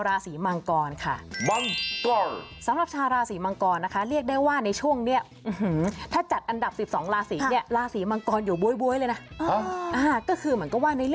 ราศีต่อไปล่ะคะหมอไก่